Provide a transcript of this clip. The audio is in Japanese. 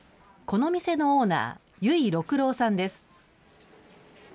この店のオーナー、由井緑郎さんです。